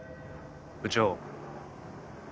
部長。